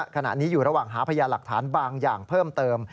ขณะนี้อยู่ระหว่างหาพยานหลักฐานบางอย่างเพิ่มเติม